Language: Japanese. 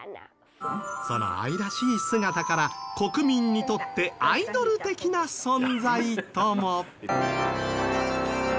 その愛らしい姿から国民にとってアイドル的な存在とも。